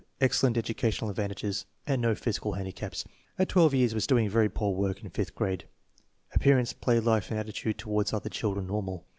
Excellent educational advantages and no physical handi caps. At 12 years was doing very poor work in fifth grade. Appear ance, play life, and attitude toward other children normal.